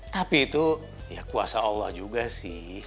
tapi itu ya kuasa allah juga sih